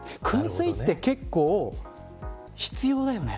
薫製って結構、必要だよね。